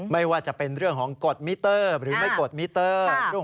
ไม่ว่าจะเป็นเรื่องของกดมิเตอร์หรือไม่กดมิเตอร์